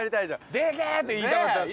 でけーって言いたかったです